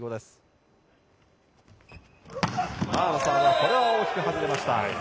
これは大きく外れました。